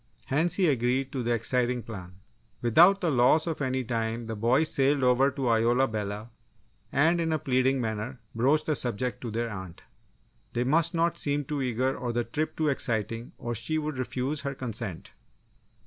Hence, he agreed to the exciting plan. Without the loss of any time, the boys sailed over to Isola Bella and in a pleading manner broached the subject to their aunt. They must not seem too eager or the trip too exciting or she would refuse her consent.